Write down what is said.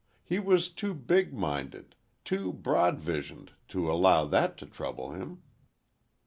He was too big minded, too broad visioned to allow that to trouble him."